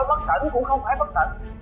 nếu mà nói bất tẩn cũng không phải bất tẩn